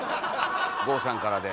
郷さんからで。